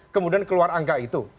kemudian keluar angka itu